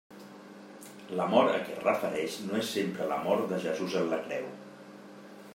La mort a què es refereix no és sempre la mort de Jesús en la creu.